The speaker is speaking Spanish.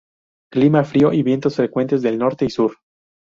Clima frío y vientos frecuentes de norte y sur.